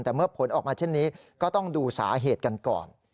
แต่เมื่อผลออกมาเช่นนี้ก็ต้องดูสาเหตุกันก่อน